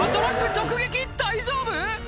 直撃大丈夫？